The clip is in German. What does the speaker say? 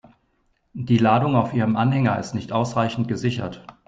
Die Ladung auf Ihrem Anhänger ist nicht ausreichend gesichert.